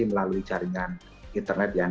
melalui jaringan internet yang